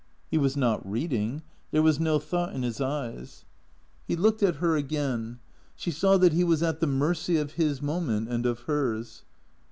He was not reading. There was no thought in his eyes. He looked at her again. She saw that he was at the mercy of his moment, and of hers.